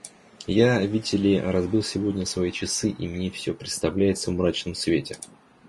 Я, видите ли, разбил сегодня свои часы и мне всё представляется в мрачном свете.